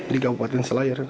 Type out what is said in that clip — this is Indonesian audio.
di kabupaten selayar